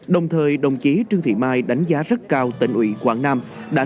đồng thời đồng chí trương thị mai đánh giá rất cao tỉnh ủy quảng nam